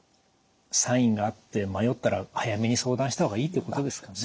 サインがあって迷ったら早めに相談したほうがいいってことですかね。